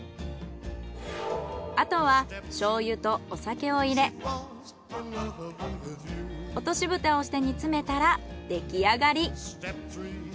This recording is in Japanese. あとは醤油とお酒を入れ落としぶたをして煮詰めたら出来上がり。